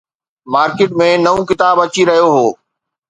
Market ۾ نئون ڪتاب اچي رهيو هو.